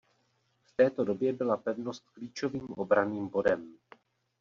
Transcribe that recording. V této době byla pevnost klíčovým obranným bodem.